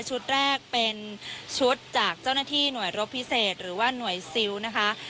ชุดแรกเป็นชุดจากเจ้าหน้าที่หน่วยรบพิเศษหรือว่าหน่วยซิลนะคะ